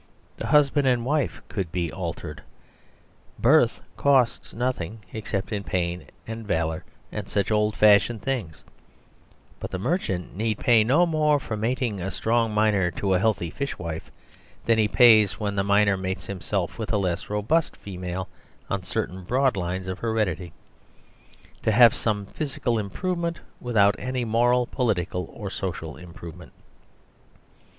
The husband and wife could be altered. Birth costs nothing, except in pain and valour and such old fashioned things; and the merchant need pay no more for mating a strong miner to a healthy fishwife than he pays when the miner mates himself with a less robust female whom he has the sentimentality to prefer. Thus it might be possible, by keeping on certain broad lines of heredity, to have some physical improvement without any moral, political, or social improvement.